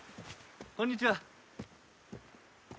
こんにちは。